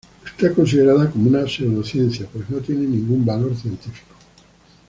Está considerada como una pseudociencia pues no tiene ningún valor científico.